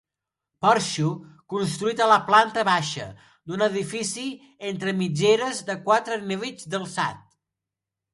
Porxo construït a la planta baixa d'un edifici entre mitgeres de quatre nivells d'alçat.